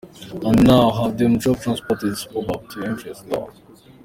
and now have them drop transported superb to your entrance door.